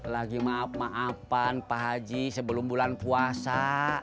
lagi maaf maafan pak haji sebelum bulan puasa